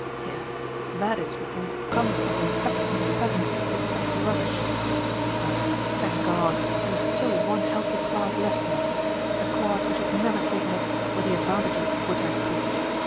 Yes, that is what will come of infecting the peasant with such rubbish. But, thank God, there is still one healthy class left to us a class which has never taken up with the 'advantages' of which I speak.